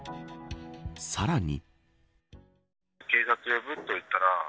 さらに。